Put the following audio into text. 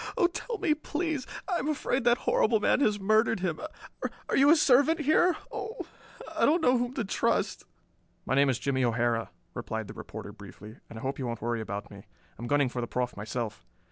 Oh, tell me, please! I am afraid that horrible man has murdered him. Are you a servant here? Oh, I don't know whom to trust." "My name is Jimmie O'Hara," replied the reporter briefly; "and I hope you won't worry about me. I am gunning for the Proff myself.